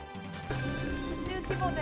宇宙規模で。